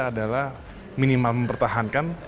adalah minimal mempertahankan